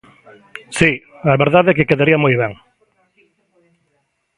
Si, a verdade é que quedaría moi ben.